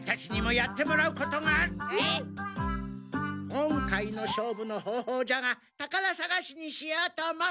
今回の勝負の方法じゃが宝探しにしようと思う。